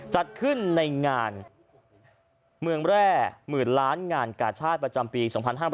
จัดขึ้นในงานเมืองแร่หมื่นล้านงานกาชาติประจำปี๒๕๕๙